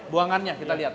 buangannya kita lihat